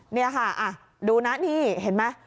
นี่ค่ะดูนะนี่เห็นไหม